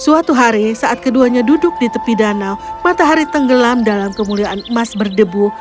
suatu hari saat keduanya duduk di tepi danau matahari tenggelam dalam kemuliaan emas berdebu